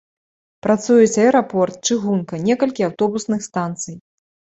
Працуюць аэрапорт, чыгунка, некалькі аўтобусных станцый.